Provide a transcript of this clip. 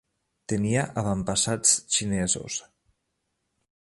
Tenia avantpassats xinesos.